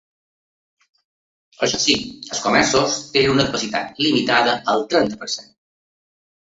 Això sí, els comerços tenen una capacitat limitada al trenta per cent.